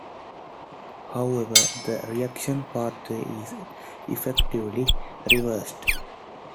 However the reaction pathway is effectively reversed.